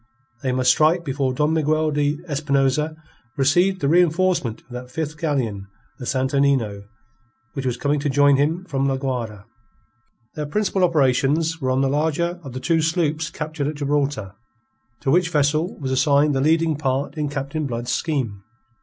They must strike before Don Miguel de Espinosa received the reenforcement of that fifth galleon, the Santo Nino, which was coming to join him from La Guayra. Their principal operations were on the larger of the two sloops captured at Gibraltar; to which vessel was assigned the leading part in Captain Blood's scheme.